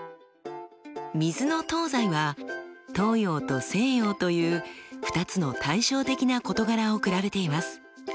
「水の東西」は東洋と西洋という２つの対照的な事柄を比べています。